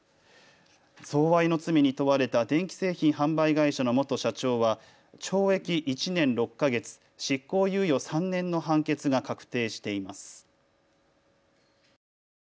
贈賄の罪に問われた電気製品販売会社の元社長は懲役１年６か月、執行猶予３年の判決が確定しています。